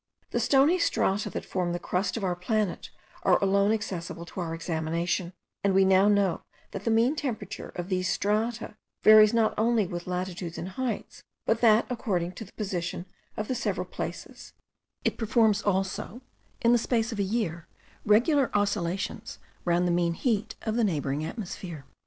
The stony strata that form the crust of our planet, are alone accessible to our examination; and we now know that the mean temperature of these strata varies not only with latitudes and heights, but that, according to the position of the several places, it performs also, in the space of a year, regular oscillations round the mean heat of the neighbouring atmosphere.